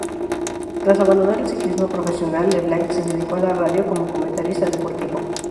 Tras abandonar el ciclismo profesional, Leblanc se dedicó a la radio, como comentarista deportivo.